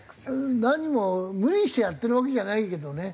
何も無理してやってるわけじゃないけどね。